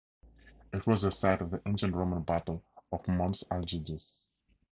It was the site of the ancient Roman Battle of Mons Algidus.